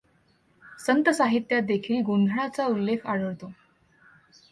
संत साहित्यात देखिल गोंधळाचा उल्लेख आढळतो.